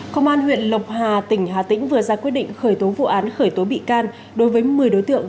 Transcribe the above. công an huyện lộc hà tỉnh hà tĩnh vừa ra quyết định khởi tố vụ án khởi tố bị can đối với một mươi đối tượng